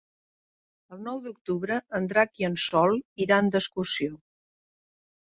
El nou d'octubre en Drac i en Sol iran d'excursió.